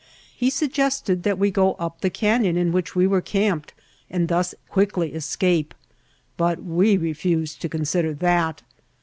He suggested that we go on up the canyon in which we were camped and thus quickly escape, but we refused to consider that.